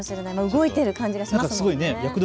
動いている感じがします。